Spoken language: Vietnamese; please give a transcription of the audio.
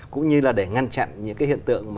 cũng như là để ngăn chặn những hiện tượng